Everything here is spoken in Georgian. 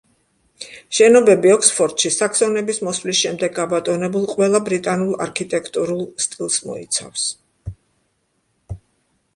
შენობები ოქსფორდში საქსონების მოსვლის შემდეგ გაბატონებულ ყველა ბრიტანულ არქიტექტურულ სტილს მოიცავს.